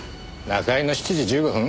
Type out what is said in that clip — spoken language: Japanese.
中居の７時１５分？